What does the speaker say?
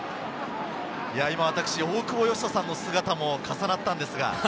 大久保嘉人さんの姿も重なったんですが。